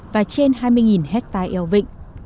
và trên hai mươi ha eo vịnh